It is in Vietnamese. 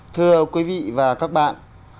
thưa quý vị và các bạn